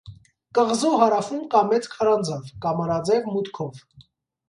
Կղզու հարավում կա մեծ քարանձավ՝ կամարաձև մուտքով։